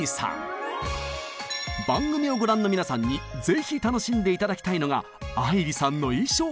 番組をご覧の皆さんにぜひ楽しんで頂きたいのが愛理さんの衣装！